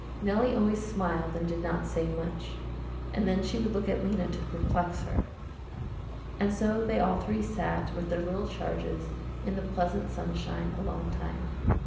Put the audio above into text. Nellie always smiled and did not say much, and then she would look at Lena to perplex her. And so they all three sat with their little charges in the pleasant sunshine a long time.